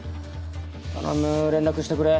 頼む連絡してくれ。